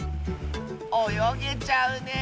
およげちゃうねえ！